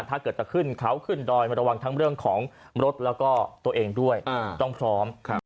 ถ้าเกิดจะขึ้นเขาขึ้นดอยมาระวังทั้งเรื่องของรถแล้วก็ตัวเองด้วยต้องพร้อม